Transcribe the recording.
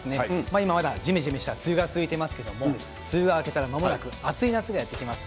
今まだ、じめじめした梅雨が続いていますが梅雨が明けたらまもなく暑い夏がやってきます。